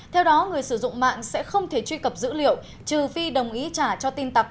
theo đó người sử dụng mạng sẽ không thể truy cập dữ liệu trừ phi đồng ý trả cho tin tặc